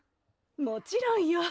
もちろんよ。